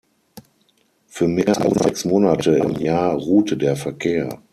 Für mehr als sechs Monate im Jahr ruhte der Verkehr.